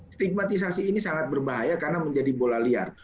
stigmatisasi ini sangat berbahaya karena menjadi bola liar